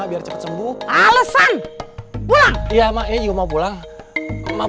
di luarfour berangai dasarnya dobr oportun shape